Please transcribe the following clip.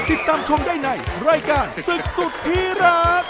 ติดตามชมได้ในรายการศึกสุดที่รัก